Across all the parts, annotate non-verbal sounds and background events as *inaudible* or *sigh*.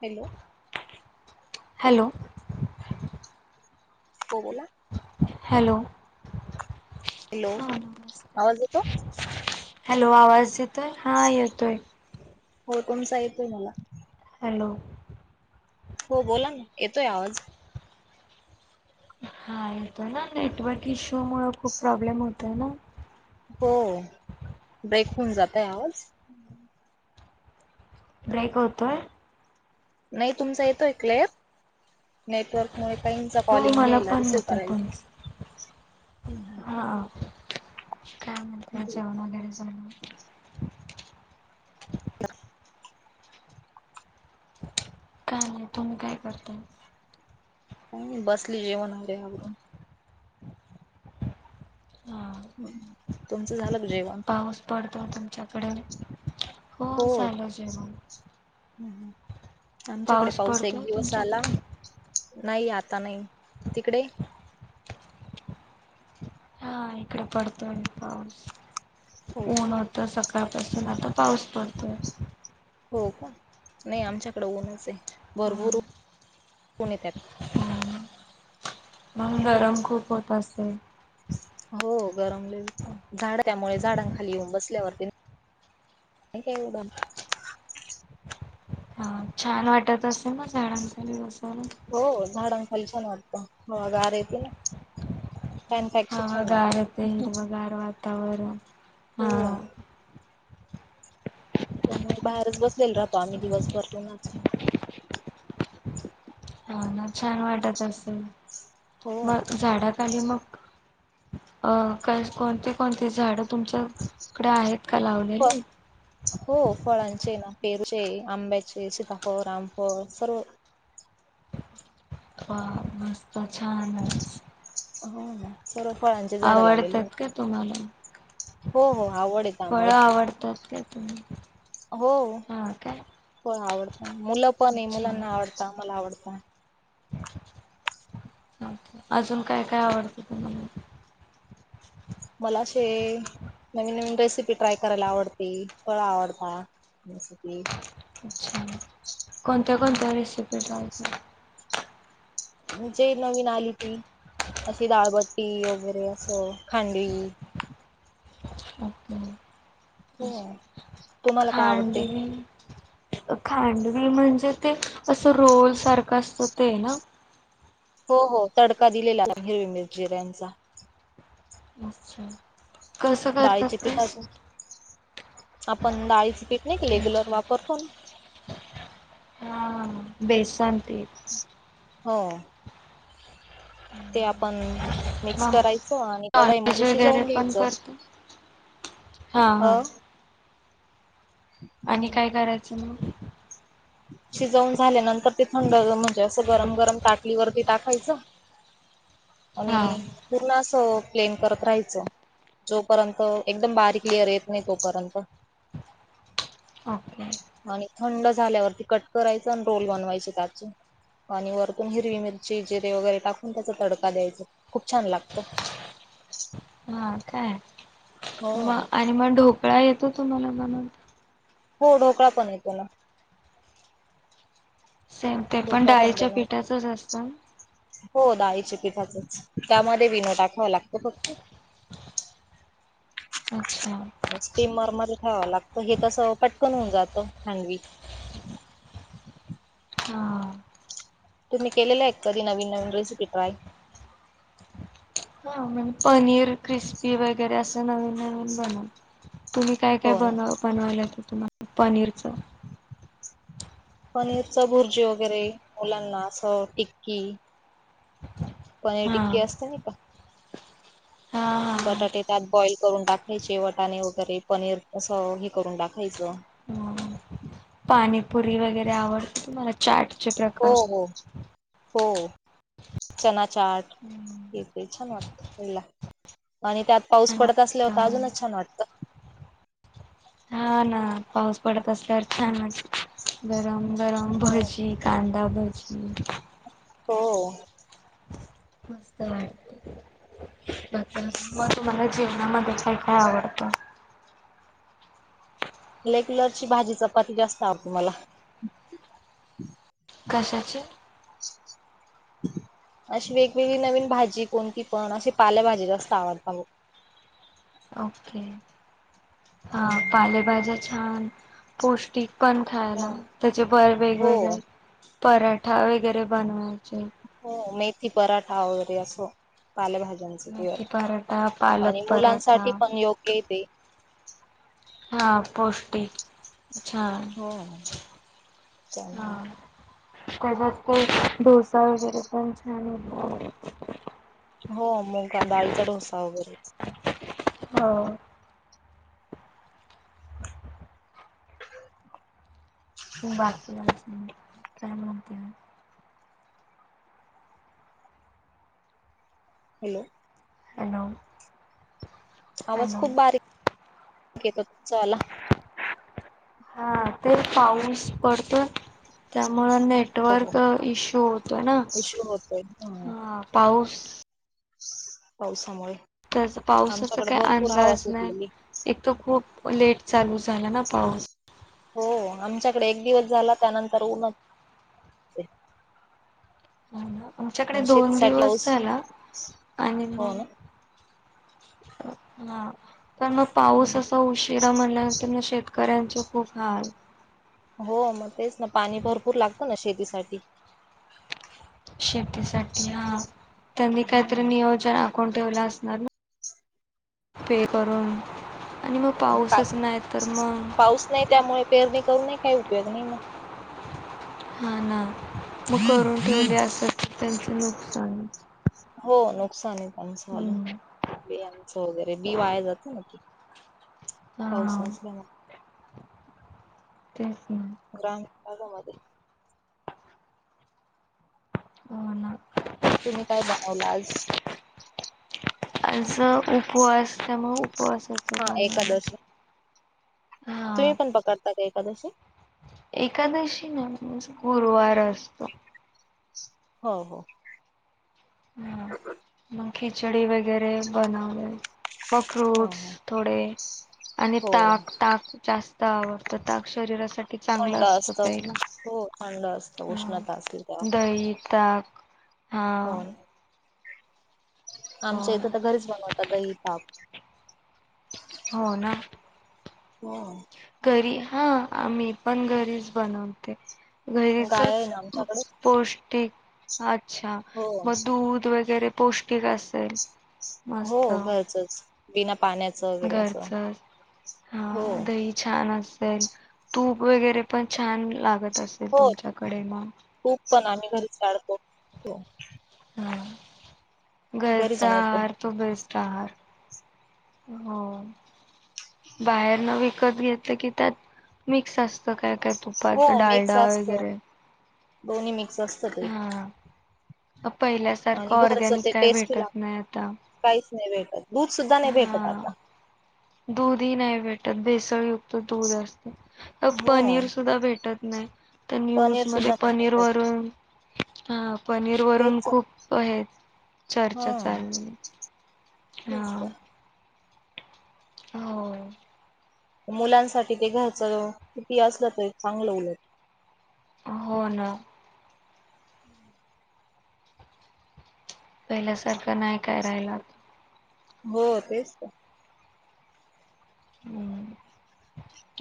Hello? Hello. हो बोला. Hello hello हां नमस्ते. आवाज येतो? हॅलो. आवाज येतो? हा येतो आहे. हो तुमचा येतोय मला. हॅलो. हो बोला ना येतोय आवाज? हा येतोय ना नेटवर्क इश्यू मूळ खूप प्रॉब्लेम होतोय ना. हो ब्रेक होऊन जातय आवाज. ब्रेक होतोय. नाही तुमचा येतोय क्लियर. नेटवर्क मुळे काहीचा हो कॉलिंग मला घ्यायला, पण रिसिव येतोय करायला. तुमच हम्म हम्म. हा काय म्हणताय जेवण वगैरे झालं.? काय नाही तुम्ही काय करताय. काय नाही बसलीय जेवण झालंय आवरून. *inaudible* हा तुमचं झालं का जेवण.? पाऊस पडतो तुमच्याकडे हो झालं जेवण. हम्म. आमच्याकडे पाऊस एक पडतोय दिवस आला. तुमच्याकडे नाही आला. का नाही तिकडे. हा इकडे पडतोय पाऊस हो. ऊन होत सकाळी. पासून आता पाऊस पडतोय. हो का नाही आमच्याकडे ऊनच आहे. हा भरभरुन *inaudible* मग गरम खूप होत असेल. हो गरम लय होत झाड त्यामुळे झाडां खाली येऊन बसल्यावरती. *inaudible* हा छान वाटत असेल मग झाडांखाली बसून. हो झाडांखाली छान वाटतं हवा गार येते ना. फॅन पेक्षा छान हवागार वाटतं, येते हिरवगार वातावरण. हा हो. त्यामुळे बाहेरच बसलेलो राहतो, आम्ही दिवसभर उन्हाच. हो ना छान वाटत असेल हो मग झाडाखाली मग. अ काय कोणती कोणती झाड तुमच्याकडे आहेत. का फ लावलेली? हो फळांचे ना. पेरूचे, आंब्याचे, सीताफळ, रामफळ सर्व. वा मस्त छान आहे. हो सर्व फळांचे झाड लावलेली आहे. आवडतात का तुम्हाला? हो हो आवड आहे त्यामुळे. फळं आवडतात का तुम्ही? हो हा काय? फळ आवडत मुलं पण आहे अच्छा. मुलांना आवडता मला आवडता. *inaudible* *inaudible* अजून काय काय आवडतं त्यांना मग. मला असे नवीन नवीन रेसिपी ट्राय करायला आवडती फळ आवडता. बस ते अच्छा कोणत्या कोणत्या रेसिपी ट्राय म्हणजे नवीन आली ती. अशी दाळबट्टी वगैरे असं खांडवी. हो तुम्हाला काय आवडते खांडवी खांडवी म्हणजे ते असं रोल सारखं असतं ते ना. हो हो तडका दिलेला हिरवी मिरची जिऱ्यांचा. अच्छा कसं करतात डाळीचे ते. पिठाचे आपण डाळीच पीठ नाही की रेग्युलर वापरतो ना. हा बेसन पीठ. हो ते आपण मिक्स हा करायचं आणि कढाई नॉनव्हेज मध्ये वगैरे शिजवून पण घ्यायचं. करतो हा हा अ आणि काय करायचं मग. शिजवून झाल्यानंतर ते थंड म्हणजे असं गरम गरम ताटलीवरती टाकायचं. आणि हा पूर्ण असं प्लेन करत राहायचं. जोपर्यंत एकदम बारीक क्लिअर येत नाही तोपर्यंत ओके आणि थंड झाल्यावरती कट करायच आणि रोल बनवायचे त्याचे आणि वरतून हिरवी मिरची जिरे वगैरे टाकून त्याच तडका द्यायचं खूप छान लागत. हा काय मग आणि मग ढोकळा येतो तुम्हाला बनवता. हो ढोकळा पण येतो ना. सेम ते पण ढोकळा डाळीच्या बनव पिठाचे असते ना. हो डाळीच्या पिठाचेच त्यामध्ये व इनो टाकावा लागत फक्त. अच्छा ऐस् क्रीम मर मारी ठेवावं लागत हे तस पटकन होऊन जातं खांडवी. हा तुम्ही केलेलं एक कधी नवीन नवीन रेसिपी ट्राय मग पनीर क्रिस्पी वगैरे असं नवीन नवीन बनव तुम्ही काय काय हो ना. बनव बनवायला येत तुम्हाला पनीरचं पनीर च भुर्जी वगैरे मुलांना असं टिक्की पनीर हां टिक्के असते नाय का? हां हां बटाटे त्याात बॉईल करून टाकायचे वटाणे वगैरे पनीर अस हे करून टाकायचं. हां. पाणीपुरी वगैरे आवडते तुम्हाला चाट हो हो हो चना चॅट हे ते छान वाटतं ह्यानला. आणि त्यात पाऊस पडत असल्यावंर तर अजूनच छान वाटतं. हां ना, पाऊस पडत असल्यावर छानच गरम गरम हो भजी कांदा लावायची हो मस्त *unintelligible* जेवणामध्ये काय काय आवडतं. रेग्युलरची भाजी चपाती जास्त आवडते मला. कशाचे अशी वेगवेगळी नवीन भाजी कोणती पण अशी पाल्याभाजी जास्त आवडत आव ओके हा पालेभाज्या छान पौष्टिक पण खायला हो त्याचे भर हो वेगवेगळे पराठा वगैरे बनवायचे. हो मेथी पराठा वगैरे असं पालभाज्यांच मेथी पिवर पराठा पालक आणि पराठा मुलांसाठी पण योग्यय ते हा पौष्टिक अच्छा हो चालेल. हा *unintelligible* डोसा वगैरे पण छान होतो. हो मग डाळीचा डोसा वगैरेच हो बाकीच मग काय म्हणते? हॅलो हॅलो आवाज हॅलो खूप बारीक येतो तुमचावाला हा ते पाऊस पडतो त्यामुळे मला हो हो. नेटवर्क इश्यू होतोय ना इश्यू होतोय हा पाऊस पावसामुळे त्याचं पावसाचा आमच्याकडे काही भरपूर हवा अंदाज नाही सुटलेली. एक तर खूप लेट चालू झाला ना पाऊस हो आमच्याकडे एक दिवस झाला त्यानंतर ऊनचं आमच्याकडे दोन दिवस पाऊस झाला आणि हो मग ना हा पण मग पाऊस असा उशिरा म्हणल्यानंतर शेत कऱ्याचं खूप हाल हो मग तेच ना पाणी भरपूर लागतं ना शेतीसाठी शेतीसाठी हा त्यांनी काहीतरी हम्म. नियोजन आखूण ठेवलं असणार ना. पे करून आणि मग पाऊसच नाही तर मग पाऊस नाही त्यामुळे पेरणी करूनही काही उपयोग नाही ना. ह ना मग करून ठेवली अस त्यांचे नुकसान हो नुकसान आहे त्यांचं वाल हम्म बियांचं वगैरे बी वाया जातं ना ते पाऊस हा नसल्यामुळं, तेच ना ग्रामीण भागामध्ये हो ना तुम्ही काय बनवला आज? आज उपवास त्यामुळे उपवासाचं हा बनवलं. एकादशी हा तुम्ही पण पकडता का एकादशी? एकादशी नाही पण माझा गुरुवार असतो. हो हो हा मग खिचडी वगैरे बनवले. व हो फ्रूट्स हो थोडे, आणि हो ताक ताक जास्त आवडतं ताक शरीरासाठी चांगलं थंड असतं असत प्यायला हो थंड असत हा उष्णता असली तेव्हा दही, ताक हा हो ना. हो आमच्या इथं तर घरीच बनवतात. दही, ताक हो ना हो घरी हा मी पण घरीच बनवते. गाय आहे घरीचच ना आमच्याकडे पौष्टिक अच्छा हो मग दूध वगैरे पौष्टिक असेल हो घरचंच बिना पाण्याचं वगैरे असं घरचंच हो हा दही छान असेल तूप वगैरे पण छान लागत असेल हो तुमच्याकडे मग तूप पण आम्ही घरीच काढतो. हा घरी घरचा बनवतो आहार तो बेस्ट आहार हो बाहेर न विकत घेत, तलं की त्यात मिक्स असत काय काय हो तुपात मिक्स डालडा असत वगैरे दोन्ही मिक्स असत ते. हा पहिल्यासारखं आणि घरचं ऑरगॅनिक ते काय टेस्टी भेटत लागत नाही आता काहीच नाही भेटत दूध सुद्धा नाही भेटत हा आता दूधही नाही भेटत, भेसळयुक्त दूध असत हो पनीर सुद्धा भे टत नाही तर न्यूज पनीर मध्ये सुद्धा नाही पनीर भेटत वरून हा पनीर वरून तेच खूप हे हा चर्चा चाललेली, तेच नाही. हो मुलांसाठी ते घरचं कितीही असलं तर चांगलं उलट हो ना पहिल्यासारखं नाही काय राहिला. हो तेच तर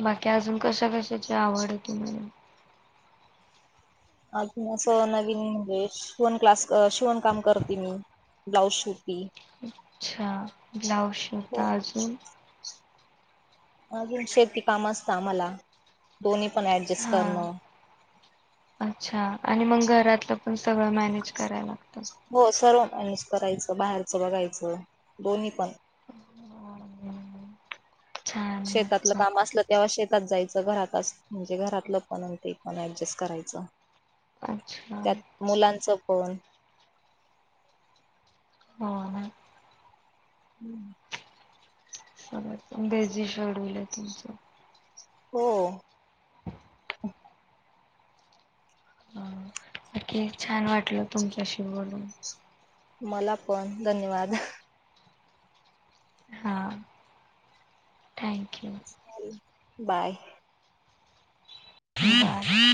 बाकी अजून कशा कशाची आवड आहे तुम्हाला? अ त अस नवीन म्हणजे शिवण क्लास शिवण काम करते मी. ब्लाऊज शूट, अच्छा ब्लाऊज हो शीवता अजून, अजून शेती काम असत आम्हाला दोन्ही पण ऍडजस्ट हा करणं अच्छा आणि मग घरातलं पण सगळं मॅनेज कराव लागत. हो सर्व मॅनेज करायचं बाहेरचं बघायचं दोन्ही पण हम ह्म शेतातलं काम असलं तेव्हा शेतात जायचं. घरातच म्हणजे घरातलं पण ते पण ऍडजस्ट करायचं. अच्छा त्यात मुलांचं पण हो ना. हम्म *unintelligible* सगळं बीजी शेड्युल आहे तुमचं. हो. ह नक्की छान वाटलं तुमच्याशी बोलून. मला पण धन्यवाद. हा थँक यू. बाय. बाय.